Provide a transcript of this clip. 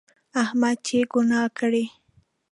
احمد چې ګناه کړي،